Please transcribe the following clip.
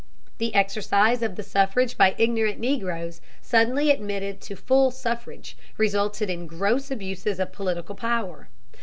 The exercise of the suffrage by ignorant Negroes suddenly admitted to full suffrage, resulted in gross abuses of political power.